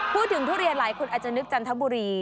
พูดถึงทุเรียนหลายคนอาจจะนึกจังตะบูรี